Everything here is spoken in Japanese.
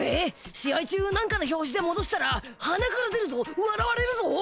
試合中なんかの拍子でもどしたら鼻から出るぞ笑われるぞ。